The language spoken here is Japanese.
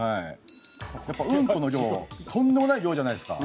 やっぱうんこの量とんでもない量じゃないですか。